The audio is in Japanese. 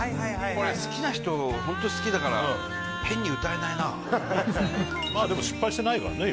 これ好きな人ホント好きだから変に歌えないなまあでも失敗してないからね